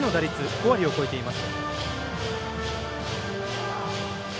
５割を超えています。